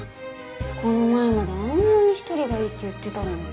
この前まであんなに１人がいいって言ってたのに。